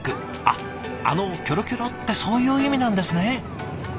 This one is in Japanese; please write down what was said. あっあのキョロキョロってそういう意味なんですね。